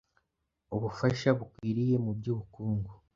ubufasha bukwiriye mu by’ubukungu,